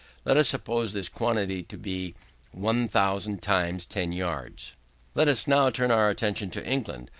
Let us suppose this quantity to be, 1000 times 10 yards. Let us now turn our attention to England.